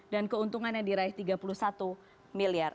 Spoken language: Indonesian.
dan keuntungan yang diraih tiga puluh satu miliar